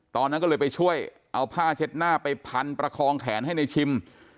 ตอนนั้นก็เลยไปช่วยเอาผ้าเช็ดหน้าไปพันประคองแขนให้ในชิม